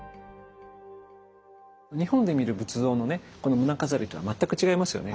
日本で見る仏像のねこの胸飾りとは全く違いますよね。